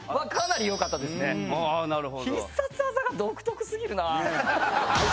必殺技が独特過ぎるなぁ。